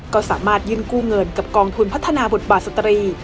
ก็สามารถยื่นกู้เงินกับกองทุนพัฒนาบทบาทสตรี